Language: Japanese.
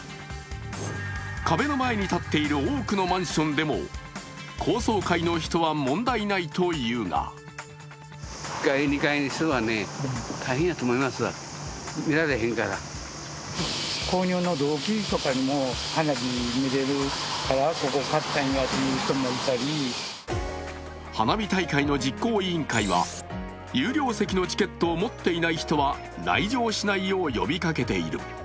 壁の前に建っている多くのマンションでも、高層階の人は問題ないというが花火大会の実行委員会は有料席のチケットを持っていない人は来場しないよう呼びかけている。